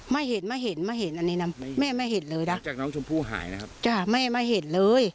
ไม่เห็นไม่เห็นไม่เห็นอันนี้นะแม่ไม่เห็นเลยนะจากน้องชมพู่หายนะครับจ้ะแม่ไม่เห็นเลย